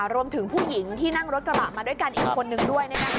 รวมถึงผู้หญิงที่นั่งรถกระบะมาด้วยกันอีกคนนึงด้วย